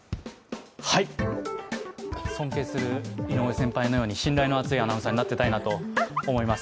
はい、尊敬する井上先輩のように信頼の厚いアナウンサーになっていたいなと思います。